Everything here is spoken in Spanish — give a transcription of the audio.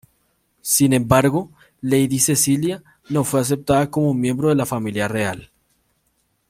Sin embargo, Lady Cecilia no fue aceptada como miembro de la Familia Real.